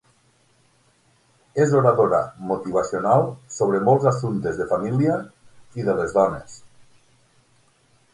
És oradora motivacional sobre molts assumptes de família i de les dones.